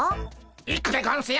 行くでゴンスよ！